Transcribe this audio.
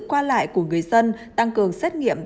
qua lại của người dân tăng cường xét nghiệm